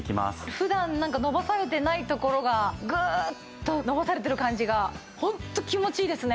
普段なんか伸ばされてないところがグーッと伸ばされてる感じがホント気持ちいいですね。